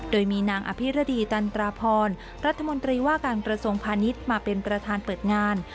โดยมีนางอภิรดีตันตราพรรัฐมนตรีว่าการกระทรวงพาณิชย์มาเป็นประธานเปิดงาน